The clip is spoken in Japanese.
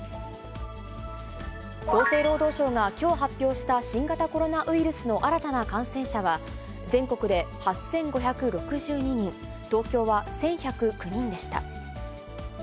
厚生労働省がきょう発表した新型コロナウイルスの新たな感染者は、全国で８５６２人、東京は１１０９人でした。